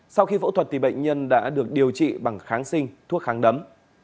sau khi phẫu thuật thì bệnh nhân đã được điều trị bằng kháng sinh thuốc kháng đấm